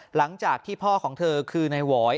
หลังจากที่พ่อของเธอคือนายหวอย